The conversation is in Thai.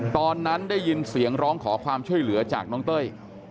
ตอนนั้นได้ยินเสียงร้องขอความช่วยเหลือจากน้องเต้ย